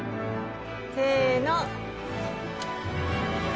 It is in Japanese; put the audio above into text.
せの。